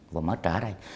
và mới trả đây